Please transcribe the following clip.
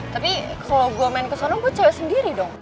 tapi kalo gue main kesana gue cowok sendiri dong